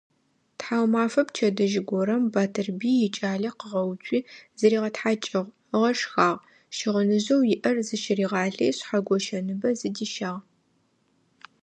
Тхьаумэфэ пчэдыжь горэм Батырбый икӀалэ къыгъэуцуи зыригъэтхьакӀыгъ, ыгъэшхагъ, щыгъыныжъэу иӀэр зыщыригъалъи, Шъхьэгощэ ныбэ зыдищагъ.